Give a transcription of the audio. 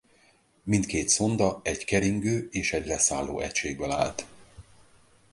Mindkét szonda egy keringő és egy leszálló egységből állt.